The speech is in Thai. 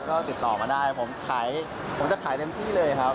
ก็ติดต่อมาได้ผมขายผมจะขายเต็มที่เลยครับ